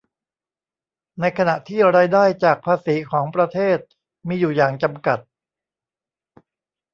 ในขณะที่รายได้จากภาษีของประเทศมีอยู่อย่างจำกัด